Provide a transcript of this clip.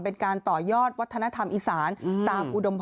เป็นการต่อยอดวัฒนธรรมอีสาน